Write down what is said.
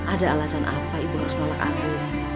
ada alasan apa ibu harus nolak aku